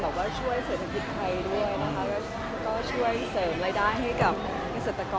และก็ช่วยเสริมรายได้ให้เศรษฐกรด้วยค่ะ